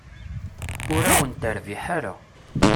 Ur awen-terbiḥ ara.